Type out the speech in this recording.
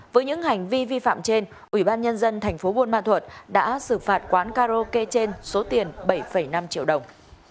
với những hành vi vi phạm trên ubnd tp buôn ma thuận đã xử phạt quán karaoke trên số tiền bảy năm triệu đồng